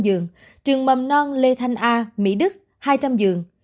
trung tâm trường mầm non lê thanh a mỹ đức hai trăm linh dường